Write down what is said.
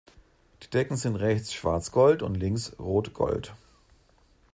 Die Decken sind rechts Schwarz-Gold und links Rot-Gold.